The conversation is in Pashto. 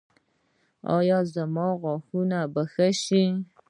ایا زما غاښونه به ښه شي؟